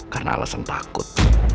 karena alasan takut